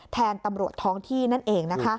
แทนตำรวจท้องที่นั่นเองนะคะ